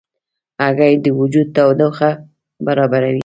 هګۍ د وجود تودوخه برابروي.